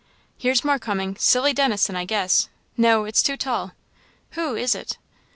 "Here's more coming Cilly Dennison, I guess no, it's too tall; who is it?"